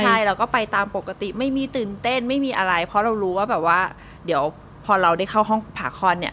ใช่เราก็ไปตามปกติไม่มีตื่นเต้นไม่มีอะไรเพราะเรารู้ว่าแบบว่าเดี๋ยวพอเราได้เข้าห้องผ่าคลอดเนี่ย